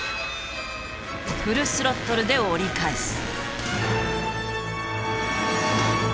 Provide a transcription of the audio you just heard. フルスロットルで折り返す。